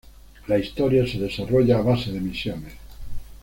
La historia se desarrolla a base de misiones.